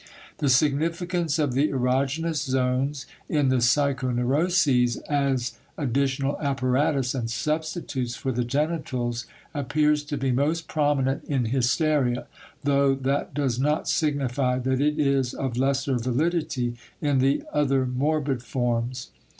The significance of the erogenous zones in the psychoneuroses, as additional apparatus and substitutes for the genitals, appears to be most prominent in hysteria though that does not signify that it is of lesser validity in the other morbid forms.